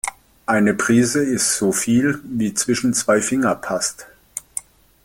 Eine Prise ist so viel, wie zwischen zwei Finger passt.